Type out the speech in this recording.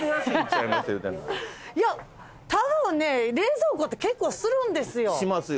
いやたぶんね冷蔵庫って結構するんですよ。